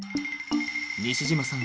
西島さん